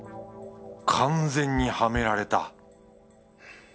完全にハメられた